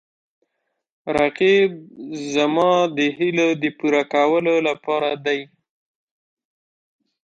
رقیب زما د هیلو د پوره کولو لپاره دی